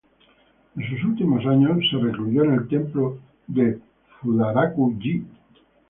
En sus últimos años se recluyó en el templo de Fudaraku-ji.